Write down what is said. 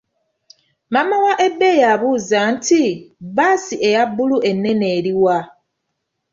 Maama wa Ebei yabuuza nti, bbaasi eyabulu ennene eri wa?